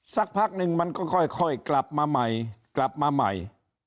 สักพักนึงมันก็ค่อยกลับมาใหม่กลับมาใหม่